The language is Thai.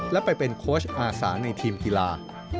และไปเป็นโค้ชอาสาในทีมกีฬา